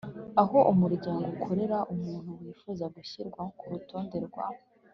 Aho umuryango ukorera Umuntu wifuza gushyirwa ku rutonde rwa